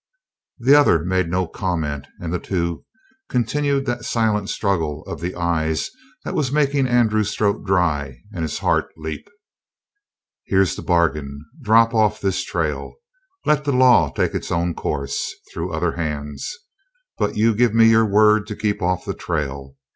The other made no comment, and the two continued that silent struggle of the eyes that was making Andrew's throat dry and his heart leap. "Here's the bargain: Drop off this trail. Let the law take its own course through other hands, but you give me your word to keep off the trail.